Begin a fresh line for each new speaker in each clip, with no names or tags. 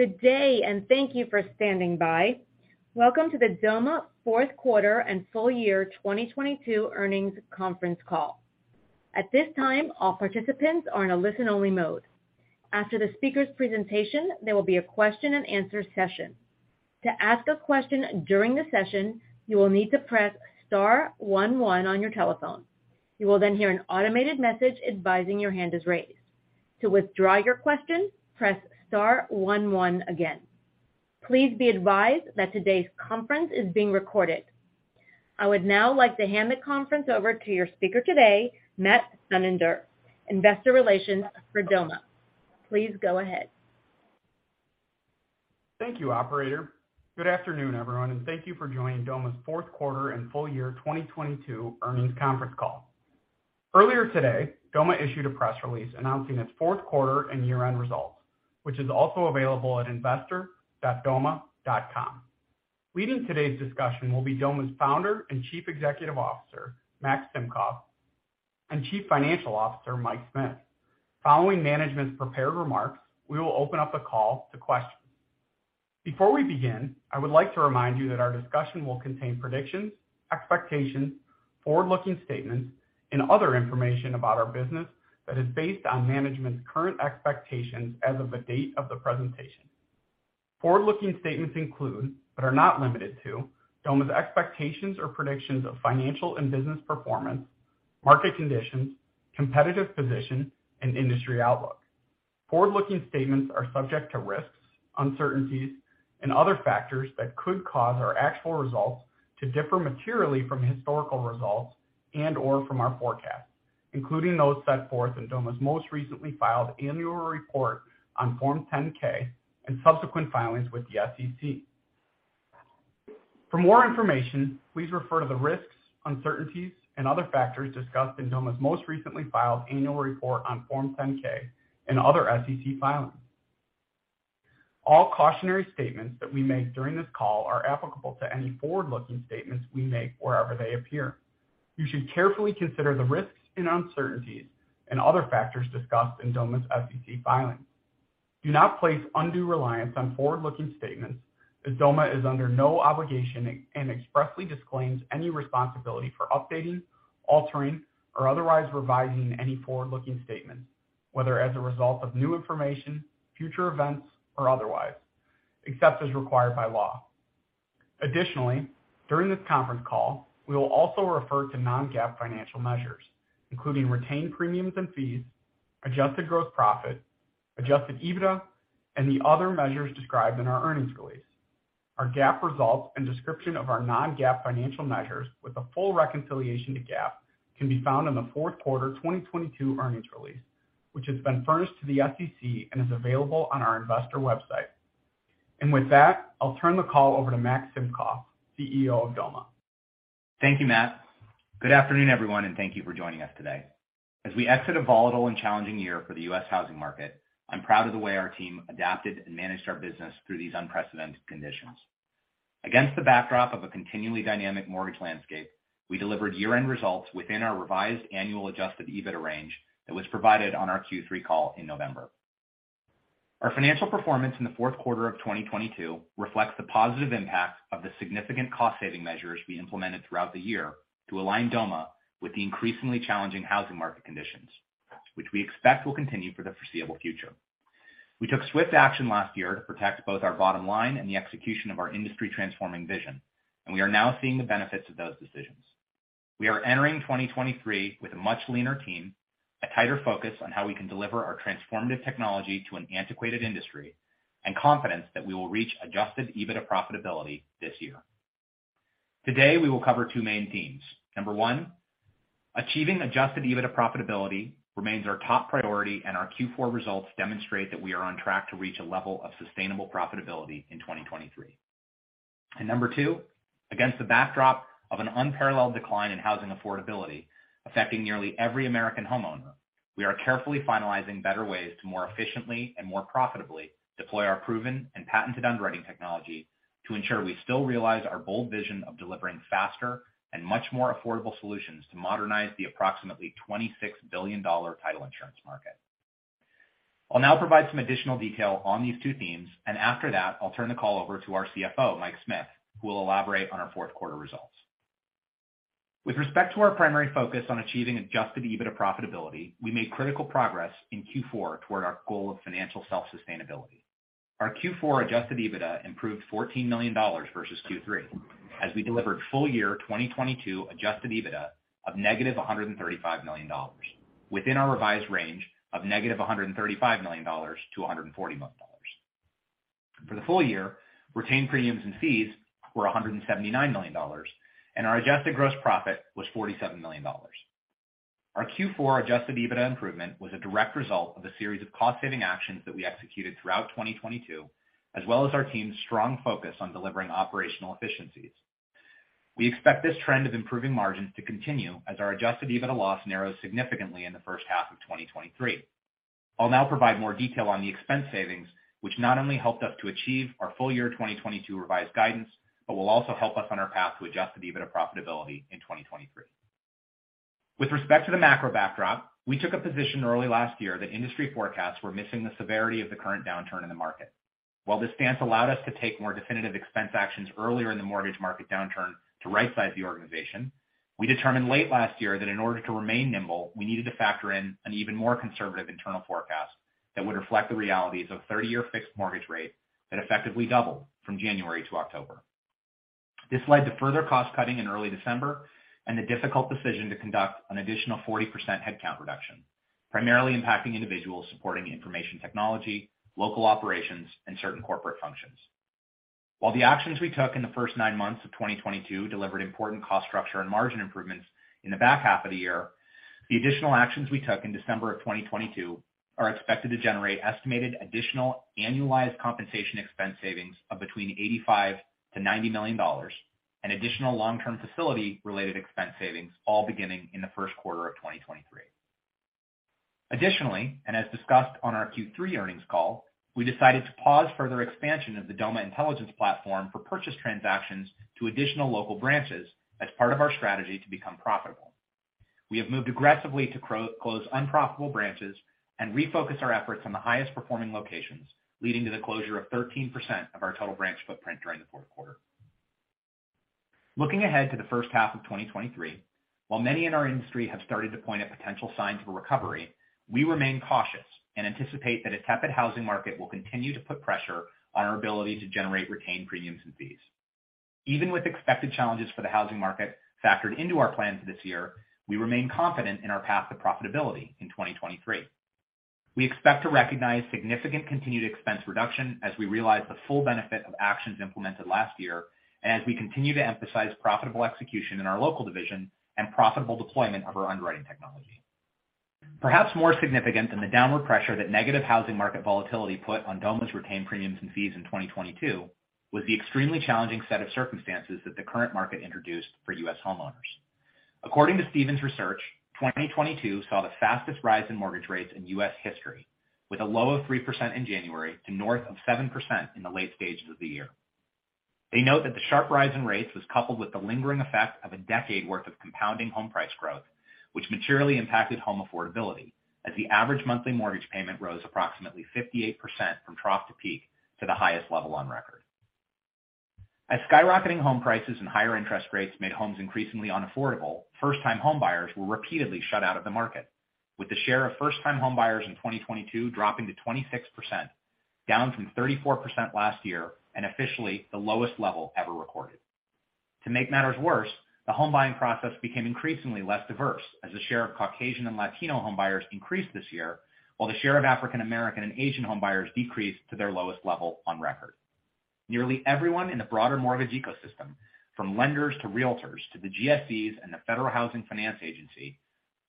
Good day. Thank you for standing by. Welcome to the Doma Fourth Quarter and Full Year 2022 Earnings Conference Call. At this time, all participants are in a listen-only mode. After the speaker's presentation, there will be a question-and-answer session. To ask a question during the session, you will need to press star one one on your telephone. You will hear an automated message advising your hand is raised. To withdraw your question, press star one one again. Please be advised that today's conference is being recorded. I would now like to hand the conference over to your speaker today, Matt Thunander, investor relations for Doma. Please go ahead.
Thank you, operator. Good afternoon, everyone, and thank you for joining Doma's Fourth Quarter and Full Year 2022 Earnings Conference Call. Earlier today, Doma issued a press release announcing its fourth quarter and year-end results, which is also available at investor.doma.com. Leading today's discussion will be Doma's Founder and Chief Executive Officer, Max Simkoff, and Chief Financial Officer, Mike Smith. Following management's prepared remarks, we will open up the call to questions. Before we begin, I would like to remind you that our discussion will contain predictions, expectations, forward-looking statements, and other information about our business that is based on management's current expectations as of the date of the presentation. Forward-looking statements include, but are not limited to, Doma's expectations or predictions of financial and business performance, market conditions, competitive position, and industry outlook. Forward-looking statements are subject to risks, uncertainties, and other factors that could cause our actual results to differ materially from historical results and/or from our forecasts, including those set forth in Doma's most recently filed annual report on Form 10-K and subsequent filings with the SEC. For more information, please refer to the risks, uncertainties, and other factors discussed in Doma's most recently filed annual report on Form 10-K and other SEC filings. All cautionary statements that we make during this call are applicable to any forward-looking statements we make wherever they appear. You should carefully consider the risks and uncertainties and other factors discussed in Doma's SEC filings. Do not place undue reliance on forward-looking statements as Doma is under no obligation and expressly disclaims any responsibility for updating, altering, or otherwise revising any forward-looking statements, whether as a result of new information, future events, or otherwise, except as required by law. Additionally, during this conference call, we will also refer to non-GAAP financial measures, including retained premiums and fees, adjusted gross profit, Adjusted EBITDA, and the other measures described in our earnings release. Our GAAP results and description of our non-GAAP financial measures with a full reconciliation to GAAP can be found in the fourth quarter 2022 earnings release, which has been furnished to the SEC and is available on our investor website. With that, I'll turn the call over to Max Simkoff, CEO of Doma.
Thank you, Matt. Good afternoon, everyone, thank you for joining us today. As we exit a volatile and challenging year for the U.S. housing market, I'm proud of the way our team adapted and managed our business through these unprecedented conditions. Against the backdrop of a continually dynamic mortgage landscape, we delivered year-end results within our revised annual Adjusted EBITDA range that was provided on our Q3 call in November. Our financial performance in the fourth quarter of 2022 reflects the positive impact of the significant cost-saving measures we implemented throughout the year to align Doma with the increasingly challenging housing market conditions, which we expect will continue for the foreseeable future. We took swift action last year to protect both our bottom line and the execution of our industry transforming vision, we are now seeing the benefits of those decisions. We are entering 2023 with a much leaner team, a tighter focus on how we can deliver our transformative technology to an antiquated industry, and confidence that we will reach Adjusted EBITDA profitability this year. Today, we will cover two main themes. Number one, achieving Adjusted EBITDA profitability remains our top priority, and our Q4 results demonstrate that we are on track to reach a level of sustainable profitability in 2023. Number two, against the backdrop of an unparalleled decline in housing affordability affecting nearly every American homeowner, we are carefully finalizing better ways to more efficiently and more profitably deploy our proven and patented underwriting technology to ensure we still realize our bold vision of delivering faster and much more affordable solutions to modernize the approximately $26 billion title insurance market. I'll now provide some additional detail on these two themes. After that, I'll turn the call over to our CFO, Mike Smith, who will elaborate on our fourth quarter results. With respect to our primary focus on achieving Adjusted EBITDA profitability, we made critical progress in Q4 toward our goal of financial self-sustainability. Our Q4 Adjusted EBITDA improved $14 million versus Q3 as we delivered full year 2022 Adjusted EBITDA of negative $135 million within our revised range of negative $135 million-$140 million. For the full year, retained premiums and fees were $179 million. Our adjusted gross profit was $47 million. Our Q4 Adjusted EBITDA improvement was a direct result of a series of cost-saving actions that we executed throughout 2022, as well as our team's strong focus on delivering operational efficiencies. We expect this trend of improving margins to continue as our Adjusted EBITDA loss narrows significantly in the first half of 2023. I'll now provide more detail on the expense savings, which not only helped us to achieve our full year 2022 revised guidance but will also help us on our path to Adjusted EBITDA profitability in 2023. With respect to the macro backdrop, we took a position early last year that industry forecasts were missing the severity of the current downturn in the market. While this stance allowed us to take more definitive expense actions earlier in the mortgage market downturn to right-size the organization, we determined late last year that in order to remain nimble, we needed to factor in an even more conservative internal forecast that would reflect the realities of 30-year fixed mortgage rate that effectively doubled from January to October. This led to further cost cutting in early December and the difficult decision to conduct an additional 40% headcount reduction, primarily impacting individuals supporting information technology, local operations, and certain corporate functions. While the actions we took in the first nine months of 2022 delivered important cost structure and margin improvements in the back half of the year, the additional actions we took in December of 2022 are expected to generate estimated additional annualized compensation expense savings of between $85 million-$90 million and additional long-term facility related expense savings, all beginning in the first quarter of 2023. Additionally, as discussed on our Q3 earnings call, we decided to pause further expansion of the Doma Intelligence platform for purchase transactions to additional local branches as part of our strategy to become profitable. We have moved aggressively to close unprofitable branches and refocus our efforts on the highest performing locations, leading to the closure of 13% of our total branch footprint during the fourth quarter. Looking ahead to the first half of 2023, while many in our industry have started to point at potential signs of a recovery, we remain cautious and anticipate that a tepid housing market will continue to put pressure on our ability to generate retained premiums and fees. Even with expected challenges for the housing market factored into our plans this year, we remain confident in our path to profitability in 2023. We expect to recognize significant continued expense reduction as we realize the full benefit of actions implemented last year, and as we continue to emphasize profitable execution in our local division and profitable deployment of our underwriting technology. Perhaps more significant than the downward pressure that negative housing market volatility put on Doma's retained premiums and fees in 2022 was the extremely challenging set of circumstances that the current market introduced for U.S. homeowners. According to Stephens Inc. Research, 2022 saw the fastest rise in mortgage rates in U.S. history, with a low of 3% in January to north of 7% in the late stages of the year. They note that the sharp rise in rates was coupled with the lingering effect of a decade worth of compounding home price growth, which materially impacted home affordability as the average monthly mortgage payment rose approximately 58% from trough to peak to the highest level on record. As skyrocketing home prices and higher interest rates made homes increasingly unaffordable, first-time homebuyers were repeatedly shut out of the market, with the share of first-time homebuyers in 2022 dropping to 26%, down from 34% last year, and officially the lowest level ever recorded. To make matters worse, the home buying process became increasingly less diverse as the share of Caucasian and Latino homebuyers increased this year, while the share of African American and Asian homebuyers decreased to their lowest level on record. Nearly everyone in the broader mortgage ecosystem, from lenders to realtors to the GSEs and the Federal Housing Finance Agency,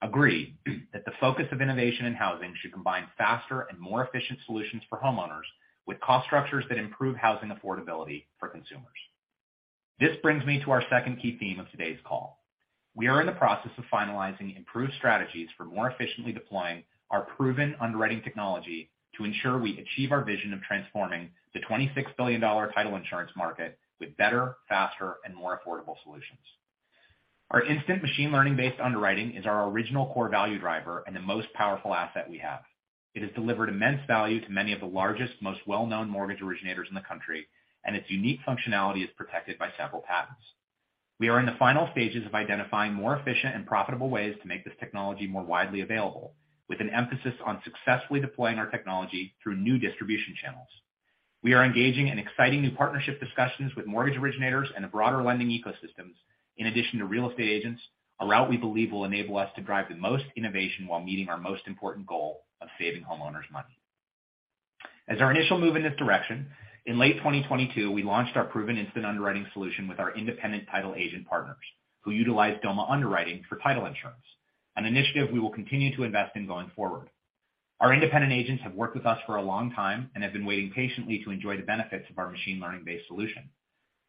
agree that the focus of innovation in housing should combine faster and more efficient solutions for homeowners with cost structures that improve housing affordability for consumers. This brings me to our second key theme of today's call. We are in the process of finalizing improved strategies for more efficiently deploying our proven underwriting technology to ensure we achieve our vision of transforming the $26 billion title insurance market with better, faster, and more affordable solutions. Our instant machine learning-based underwriting is our original core value driver and the most powerful asset we have. It has delivered immense value to many of the largest, most well-known mortgage originators in the country, and its unique functionality is protected by several patents. We are in the final stages of identifying more efficient and profitable ways to make this technology more widely available, with an emphasis on successfully deploying our technology through new distribution channels. We are engaging in exciting new partnership discussions with mortgage originators and the broader lending ecosystems, in addition to real estate agents, a route we believe will enable us to drive the most innovation while meeting our most important goal of saving homeowners money. As our initial move in this direction, in late 2022, we launched our proven instant underwriting solution with our independent title agent partners who utilize Doma Underwriting for title insurance, an initiative we will continue to invest in going forward. Our independent agents have worked with us for a long time and have been waiting patiently to enjoy the benefits of our machine learning-based solution.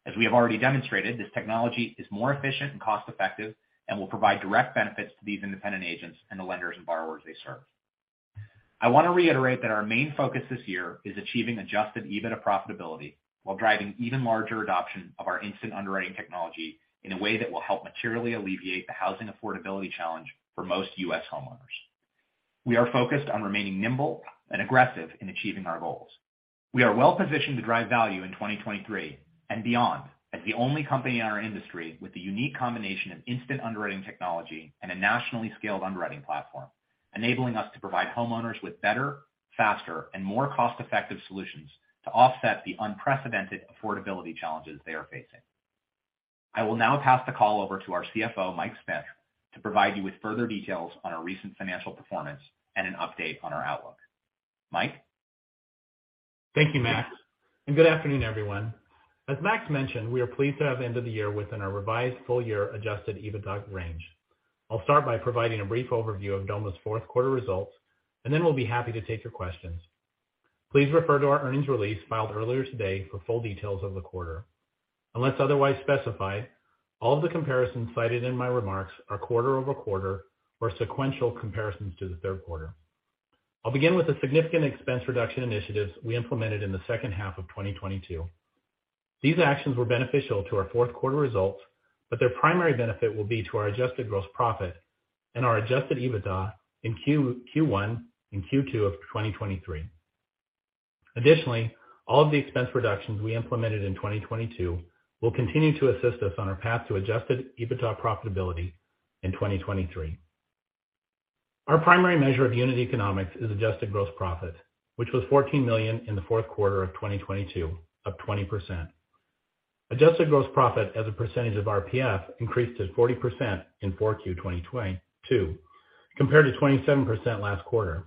As we have already demonstrated, this technology is more efficient and cost-effective and will provide direct benefits to these independent agents and the lenders and borrowers they serve. I want to reiterate that our main focus this year is achieving Adjusted EBITDA profitability while driving even larger adoption of our instant underwriting technology in a way that will help materially alleviate the housing affordability challenge for most U.S. homeowners. We are focused on remaining nimble and aggressive in achieving our goals. We are well positioned to drive value in 2023 and beyond as the only company in our industry with the unique combination of instant underwriting technology and a nationally scaled underwriting platform, enabling us to provide homeowners with better, faster, and more cost-effective solutions to offset the unprecedented affordability challenges they are facing. I will now pass the call over to our CFO Mike Smith to provide you with further details on our recent financial performance and an update on our outlook. Mike?
Thank you, Max. Good afternoon, everyone. As Max mentioned, we are pleased to have ended the year within our revised full year Adjusted EBITDA range. I'll start by providing a brief overview of Doma's fourth quarter results, and then we'll be happy to take your questions. Please refer to our earnings release filed earlier today for full details of the quarter. Unless otherwise specified, all of the comparisons cited in my remarks are quarter-over-quarter or sequential comparisons to the third quarter. I'll begin with the significant expense reduction initiatives we implemented in the second half of 2022. These actions were beneficial to our fourth quarter results, but their primary benefit will be to our adjusted gross profit and our Adjusted EBITDA in Q1 and Q2 of 2023. Additionally, all of the expense reductions we implemented in 2022 will continue to assist us on our path to Adjusted EBITDA profitability in 2023. Our primary measure of unit economics is adjusted gross profit, which was $14 million in the fourth quarter of 2022, up 20%. Adjusted gross profit as a percentage of RPF increased to 40% in 4Q 2022 compared to 27% last quarter.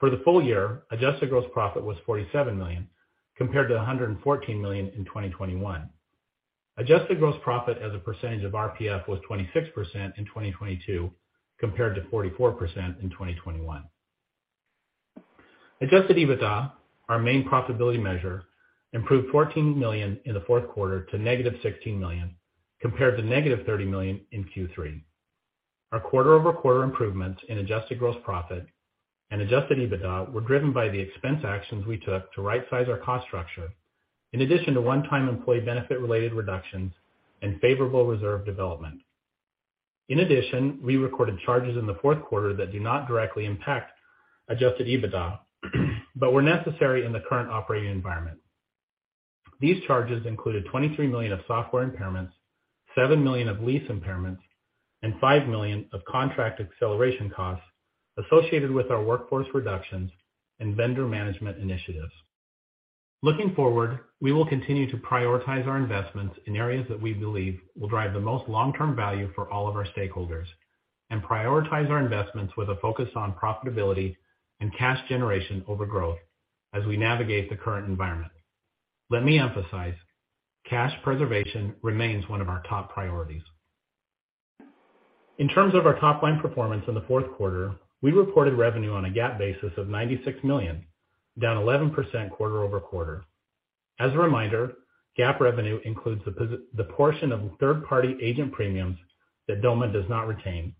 For the full year, adjusted gross profit was $47 million compared to $114 million in 2021. Adjusted gross profit as a percentage of RPF was 26% in 2022 compared to 44% in 2021. Adjusted EBITDA, our main profitability measure, improved $14 million in the fourth quarter to negative $16 million compared to negative $30 million in Q3. Our quarter-over-quarter improvements in adjusted gross profit and Adjusted EBITDA were driven by the expense actions we took to rightsize our cost structure, in addition to one-time employee benefit related reductions and favorable reserve development. In addition, we recorded charges in the fourth quarter that do not directly impact Adjusted EBITDA but were necessary in the current operating environment. These charges included $23 million of software impairments, $7 million of lease impairments, and $5 million of contract acceleration costs associated with our workforce reductions and vendor management initiatives. Looking forward, we will continue to prioritize our investments in areas that we believe will drive the most long-term value for all of our stakeholders and prioritize our investments with a focus on profitability and cash generation over growth as we navigate the current environment. Let me emphasize, cash preservation remains one of our top priorities. In terms of our top line performance in the fourth quarter, we reported revenue on a GAAP basis of $96 million, down 11% quarter-over-quarter. As a reminder, GAAP revenue includes the portion of third-party agent premiums that Doma does not retain.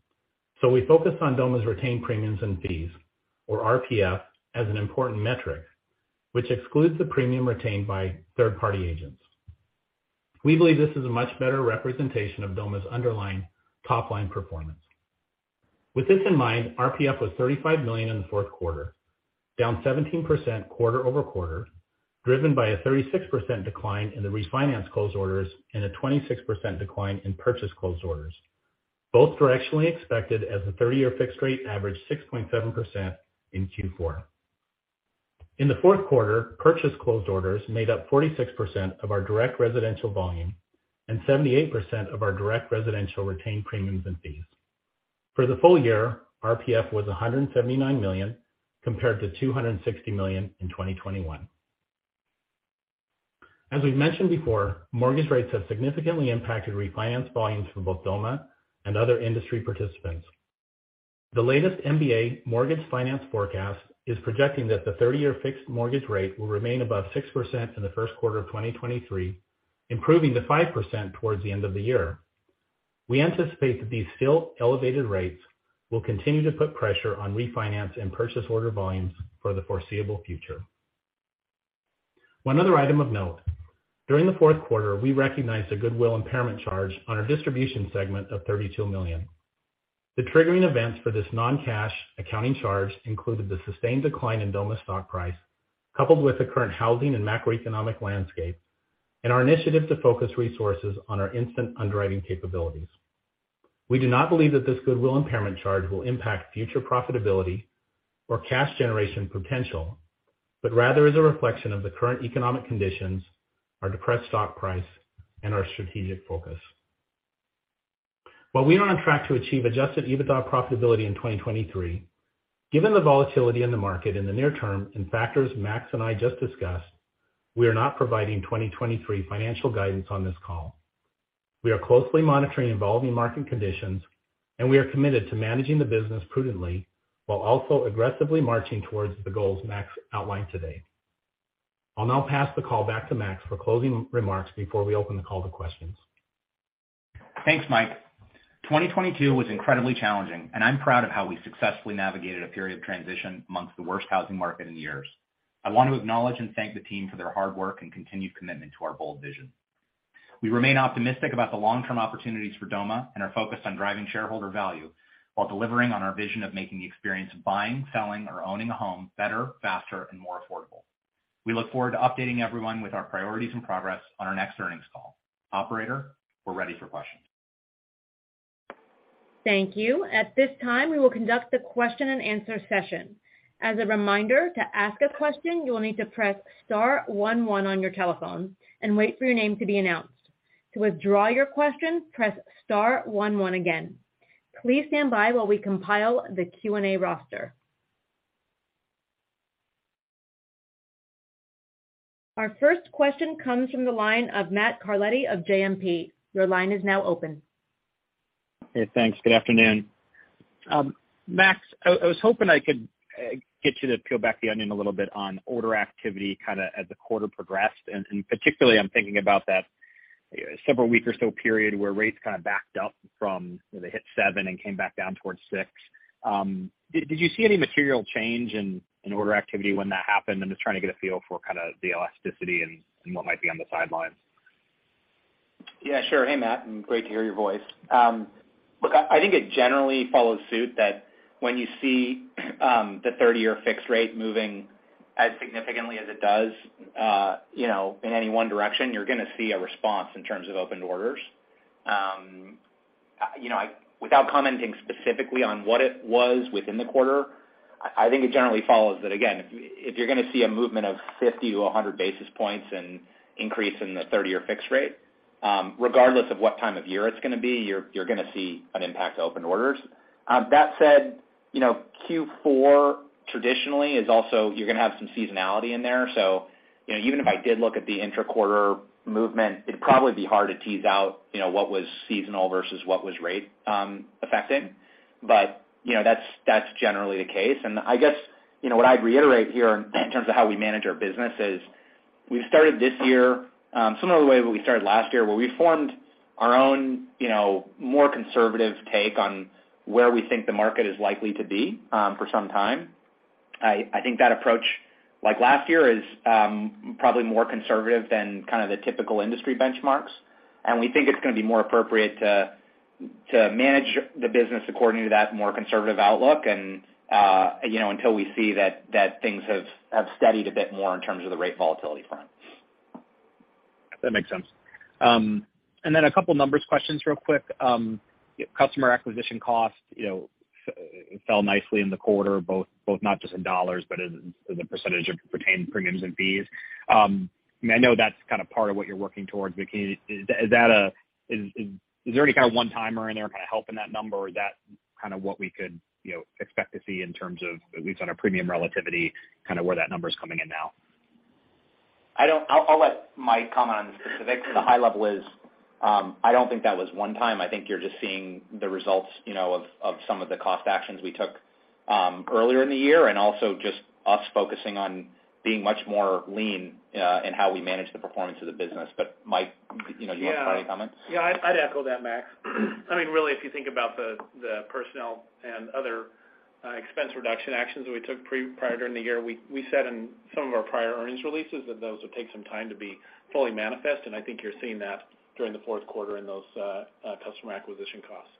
We focus on Doma's retained premiums and fees, or RPF, as an important metric, which excludes the premium retained by third-party agents. We believe this is a much better representation of Doma's underlying top-line performance. With this in mind, RPF was $35 million in the fourth quarter, down 17% quarter-over-quarter, driven by a 36% decline in the refinance closed orders and a 26% decline in purchase closed orders. Both were actually expected as the 30-year fixed rate averaged 6.7% in Q4. In the fourth quarter, purchase closed orders made up 46% of our direct residential volume and 78% of our direct residential retained premiums and fees. For the full year, RPF was $179 million, compared to $260 million in 2021. As we've mentioned before, mortgage rates have significantly impacted refinance volumes for both Doma and other industry participants. The latest MBA mortgage finance forecast is projecting that the 30-year fixed mortgage rate will remain above 6% in the first quarter of 2023, improving to 5% towards the end of the year. We anticipate that these still elevated rates will continue to put pressure on refinance and purchase order volumes for the foreseeable future. One other item of note, during the fourth quarter, we recognized a goodwill impairment charge on our distribution segment of $32 million. The triggering events for this non-cash accounting charge included the sustained decline in Doma's stock price, coupled with the current housing and macroeconomic landscape, and our initiative to focus resources on our instant underwriting capabilities. We do not believe that this goodwill impairment charge will impact future profitability or cash generation potential, but rather is a reflection of the current economic conditions, our depressed stock price, and our strategic focus. While we are on track to achieve Adjusted EBITDA profitability in 2023, given the volatility in the market in the near term and factors Max and I just discussed, we are not providing 2023 financial guidance on this call. We are closely monitoring evolving market conditions, and we are committed to managing the business prudently while also aggressively marching towards the goals Max outlined today. I'll now pass the call back to Max for closing remarks before we open the call to questions.
Thanks, Mike. 2022 was incredibly challenging. I'm proud of how we successfully navigated a period of transition amongst the worst housing market in years. I want to acknowledge and thank the team for their hard work and continued commitment to our bold vision. We remain optimistic about the long-term opportunities for Doma and are focused on driving shareholder value while delivering on our vision of making the experience of buying, selling, or owning a home better, faster, and more affordable. We look forward to updating everyone with our priorities and progress on our next earnings call. Operator, we're ready for questions.
Thank you. At this time, we will conduct the question-and-answer session. As a reminder, to ask a question, you will need to press star one one on your telephone and wait for your name to be announced. To withdraw your question, press star one one again. Please stand by while we compile the Q&A roster. Our first question comes from the line of Matt Carletti of JMP. Your line is now open.
Hey, thanks. Good afternoon. Max, I was hoping I could get you to peel back the onion a little bit on order activity kinda as the quarter progressed, and particularly I'm thinking about that several-week or so period where rates kind of backed up from when they hit seven and came back down towards six. Did you see any material change in order activity when that happened? I'm just trying to get a feel for kinda the elasticity and what might be on the sidelines.
Yeah, sure. Hey, Max, and great to hear your voice. Look, I think it generally follows suit that when you see, the 30-year fixed rate moving as significantly as it does, you know, in any one direction, you're gonna see a response in terms of opened orders. You know, without commenting specifically on what it was within the quarter, I think it generally follows that, again, if you're gonna see a movement of 50-100 basis points and increase in the 30-year fixed rate, regardless of what time of year it's gonna be, you're gonna see an impact to open orders. That said, you know, Q4 traditionally is also, you're gonna have some seasonality in there. You know, even if I did look at the intra-quarter movement, it'd probably be hard to tease out, you know, what was seasonal versus what was rate affecting. You know, that's generally the case. I guess, you know, what I'd reiterate here in terms of how we manage our business is we started this year, similar way we started last year, where we formed our own, you know, more conservative take on where we think the market is likely to be for some time. I think that approach, like last year, is probably more conservative than kind of the typical industry benchmarks. We think it's gonna be more appropriate to manage the business according to that more conservative outlook and, you know, until we see that things have steadied a bit more in terms of the rate volatility front.
That makes sense. A couple numbers questions real quick. Customer acquisition costs, you know, fell nicely in the quarter, both not just in dollars but as a percentage of retained premiums and fees. I know that's kind of part of what you're working towards, but is there any kind of one-timer in there kinda helping that number? Or is that kinda what we could, you know, expect to see in terms of at least on a premium relativity, kinda where that number's coming in now?
I'll let Mike comment on the specifics. The high level is, I don't think that was one time. I think you're just seeing the results, you know, of some of the cost actions we took earlier in the year and also just us focusing on being much more lean in how we manage the performance of the business. Mike, you know, you wanna provide any comments?
Yeah. I'd echo that, Max. I mean, really, if you think about the personnel and other expense reduction actions that we took prior during the year, we said in some of our prior earnings releases that those would take some time to be fully manifest, I think you're seeing that during the fourth quarter in those customer acquisition costs.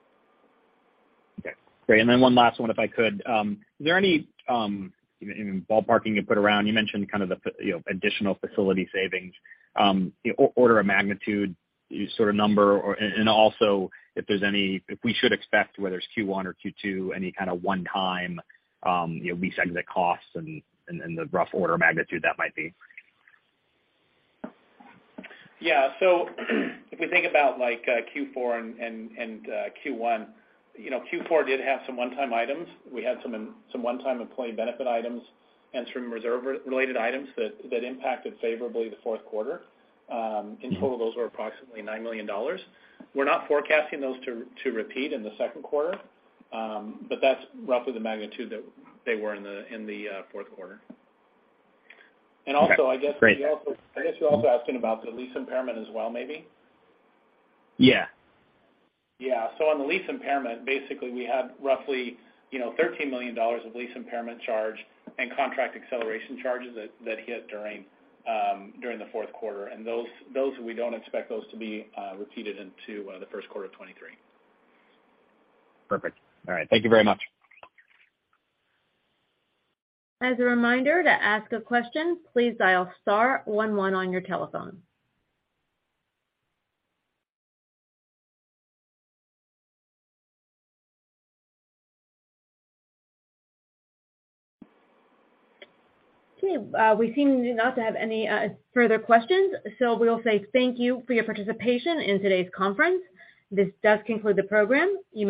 Okay, great. One last one if I could. Is there any, you know, ballparking you put around? You mentioned kind of the, you know, additional facility savings, order of magnitude sort of number or... Also, if there's if we should expect whether it's Q1 or Q2, any kind of one-time, you know, lease exit costs and the rough order of magnitude that might be?
Yeah. If we think about like Q4 and Q1, you know, Q4 did have some one-time employee benefit items and some reserve-related items that impacted favorably the fourth quarter. In total, those were approximately $9 million. We're not forecasting those to repeat in the second quarter. That's roughly the magnitude that they were in the fourth quarter.
Okay. Great.
Also I guess we also I guess you're also asking about the lease impairment as well maybe.
Yeah. Yeah. On the lease impairment, basically we had roughly, you know, $13 million of lease impairment charge and contract acceleration charges that hit during the fourth quarter. Those we don't expect to be repeated into the first quarter of 2023. Perfect. All right. Thank you very much.
As a reminder, to ask a question, please dial star one one on your telephone. Okay. We seem not to have any further questions, so we'll say thank you for your participation in today's conference. This does conclude the program. You may dis-